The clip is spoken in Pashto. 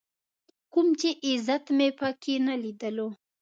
کوم چې عزت مې په کې نه ليدلو.